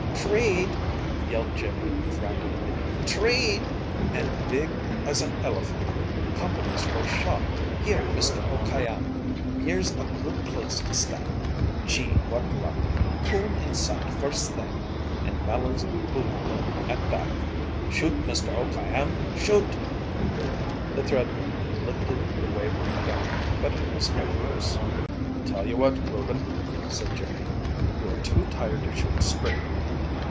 "Treed!" yelled Jimmy frantically. "Treed! and big as an elephant. Company's first shot. Here, Mister O'Khayam, here's a good place to stand. Gee, what luck! Coon in sight first thing, and Mellen's food coon at that! Shoot, Mister O'Khayam, shoot!" The Thread Man lifted the wavering gun, but it was no use. "Tell you what, Ruben," said Jimmy. "You are too tired to shoot straight.